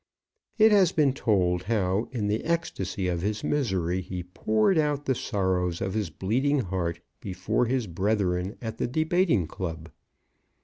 It has been told how in the ecstasy of his misery he poured out the sorrows of his bleeding heart before his brethren at the debating club.